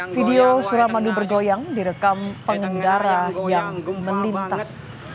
video suramadu bergoyang direkam pengendara yang melintas